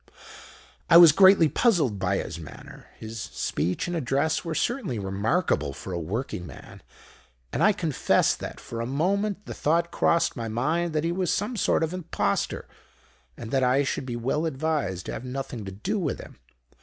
"I was greatly puzzled by his manner. His speech and address were certainly remarkable for a working man; and I confess that for a moment the thought crossed my mind that he was some sort of impostor, and that I should be well advised to have nothing to do with him.